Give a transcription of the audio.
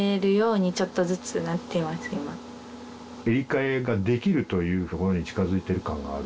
衿替えができるというところに近づいてる感がある？